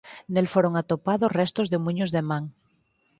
Nel foron atopados restos de muíños de man.